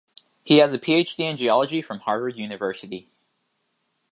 He has a PhD in geology from Harvard University.